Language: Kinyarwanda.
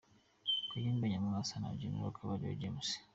Kayumba Nyamwasa na Gen. Kabarebe James